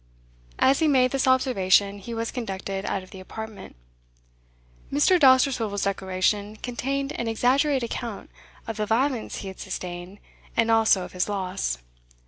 As he made this observation he was conducted out of the apartment. Mr. Dousterswivel's declaration contained an exaggerated account of the violence he had sustained, and also of his loss.